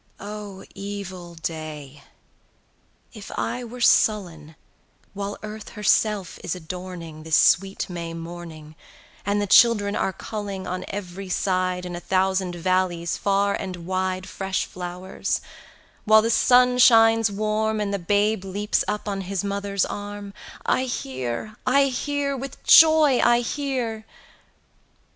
O evil day! if I were sullen While Earth herself is adorning, This sweet May morning, 45 And the children are culling On every side, In a thousand valleys far and wide, Fresh flowers; while the sun shines warm, And the babe leaps up on his mother's arm:— 50 I hear, I hear, with joy I hear!